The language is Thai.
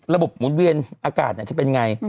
ระบบหมุนเวียนอากาศจะเป็นยังไง